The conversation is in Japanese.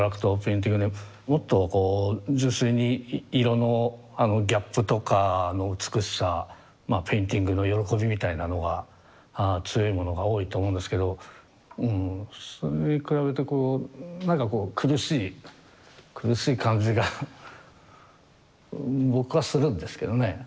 もっとこう純粋に色のあのギャップとかの美しさペインティングの喜びみたいなのが強いものが多いと思うんですけどうんそれに比べてこう何か苦しい苦しい感じが僕はするんですけどね。